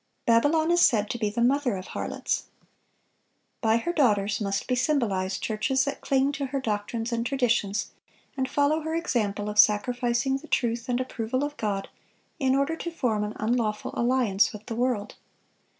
Babylon is said to be "the mother of harlots." By her daughters must be symbolized churches that cling to her doctrines and traditions, and follow her example of sacrificing the truth and the approval of God, in order to form an unlawful alliance with the world.